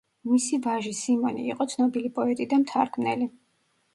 მისი ვაჟი, სიმონი, იყო ცნობილი პოეტი და მთარგმნელი.